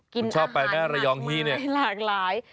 กินอาหารหลากหลาย